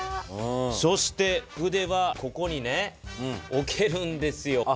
そして筆はここに置けるんですよ。